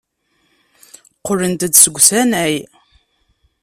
Qqlent-d seg usanay.